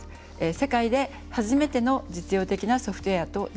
世界で初めての実用的なソフトウェアとなりました。